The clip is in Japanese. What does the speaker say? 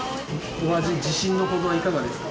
お味、自信のほどはいかがですか？